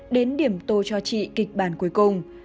đến điểm tô cho chị kịch bản cuối cùng